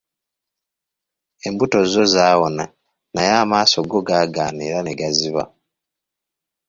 Embuto zo zaawona naye amaaso go gaagaana era ne gaziba.